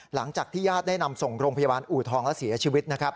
หลังจากที่ญาติได้นำส่งโรงพยาบาลอูทองและเสียชีวิตนะครับ